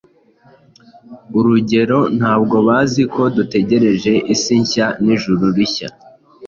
Urugero, ntabwo bazi ko dutegereje isi nshya n’ijuru rishya